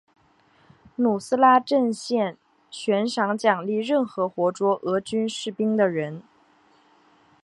努斯拉阵线悬赏奖励任何活捉俄军士兵的人。